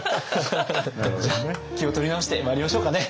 じゃあ気を取り直してまいりましょうかね。